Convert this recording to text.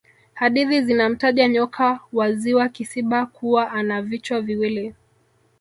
hadithi zinamtaja nyoka wa ziwa kisiba kuwa ana vichwa viwili